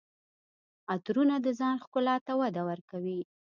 عطرونه د ځان ښکلا ته وده ورکوي.